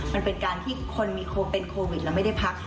มันเป็นการที่คนมีเป็นโควิดแล้วไม่ได้พัก